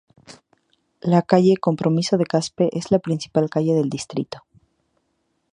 La calle Compromiso de Caspe es la principal calle del distrito.